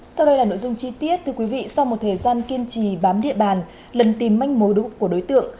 sau đây là nội dung chi tiết từ quý vị sau một thời gian kiên trì bám địa bàn lần tìm manh mối của đối tượng